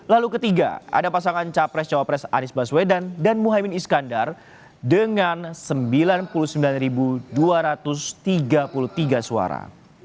lalu ketiga ada pasangan capres cawapres anies baswedan dan muhaymin iskandar dengan sembilan puluh sembilan dua ratus tiga puluh tiga suara